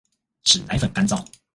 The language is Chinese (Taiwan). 使奶粉乾燥